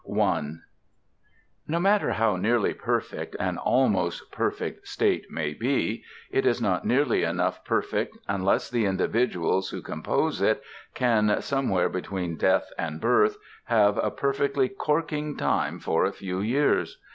I No matter how nearly perfect an Almost Perfect State may be, it is not nearly enough perfect unless the individuals who compose it can, somewhere between death and birth, have a perfectly corking time for a few years.